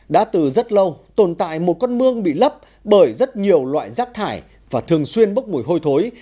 đã từ rất lâu tồn tại một con mương bị lấp bởi rất nhiều loại rác thải và thường xuyên bốc mùi hôi thối